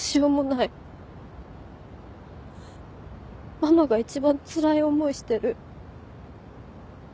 ママが一番つらい思いしてる。